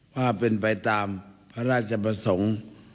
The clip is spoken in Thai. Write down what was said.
ว่าเป็นไปตามพระราชประสงค์